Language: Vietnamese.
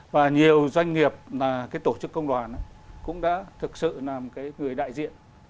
và nhiều doanh nghiệp tổ chức công đoàn cũng đã thực sự làm người đại diện